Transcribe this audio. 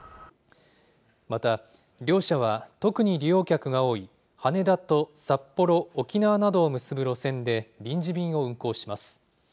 また、両社は特に利用客が多い羽田と札幌、沖縄などを結ぶ路線で、臨時便を運航します。